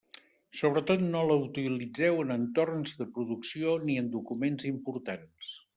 Sobretot no la utilitzeu en entorns de producció ni en documents importants.